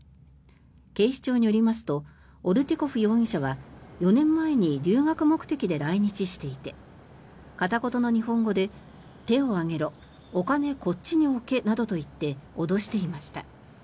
警視庁によりますとオルティコフ容疑者は４年前に留学目的で来日していて片言の日本語で、手を上げろお金こっちに置けなどと言って脅していました。